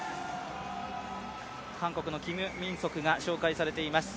韓国のキム・ミンソクが紹介されています。